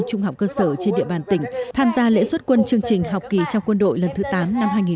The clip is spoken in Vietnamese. trung học cơ sở trên địa bàn tỉnh tham gia lễ xuất quân chương trình học kỳ trong quân đội lần thứ tám năm hai nghìn hai mươi